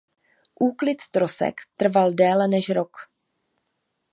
Úklid trosek trval déle než rok.